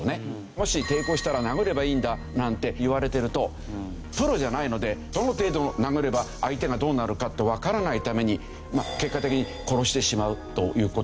「もし抵抗したら殴ればいいんだ」なんて言われてるとプロじゃないのでどの程度殴れば相手がどうなるかってわからないために結果的に殺してしまうという事。